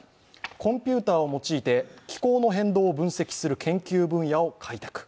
コンピューターを用いて気候の変動を分析する研究分野を開拓。